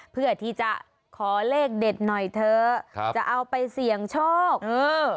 เพื่อที่จะขอเลขเด็ดหน่อยเถอะครับจะเอาไปเสี่ยงโชคเออ